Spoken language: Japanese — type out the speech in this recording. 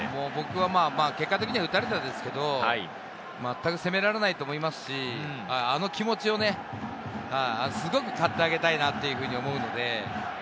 結果的には打たれたんですけど、まったく責められないと思いますし、あの気持ちをね、すごく買ってあげたいなと思うので。